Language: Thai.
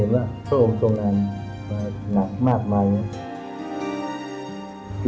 พระองค์ทรงงานหนักมากนะค่ะ